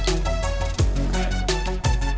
di seluruh pangk scared